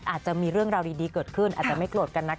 อาจจะมีเรื่องราวดีเกิดขึ้นอาจจะไม่โกรธกันนะคะ